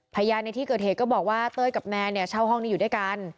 ในที่เกิดเหตุก็บอกว่าเต้ยกับแมนเนี่ยเช่าห้องนี้อยู่ด้วยกัน